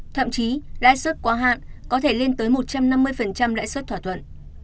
thậm chí lãi suất quá hạn có thể lên tới một trăm năm mươi lãi suất thỏa thuận